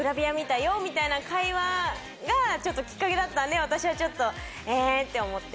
みたいな会話がちょっときっかけだったんで私はちょっとえって思って。